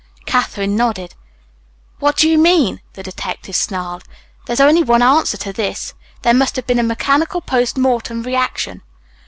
Katherine nodded. "What do you mean?" the detective snarled. "There's only one answer to this. There must have been a mechanical post mortem reaction."